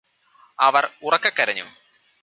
അവര് ഉറക്കെ കരഞ്ഞു